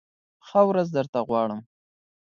ښه ورځ درته غواړم !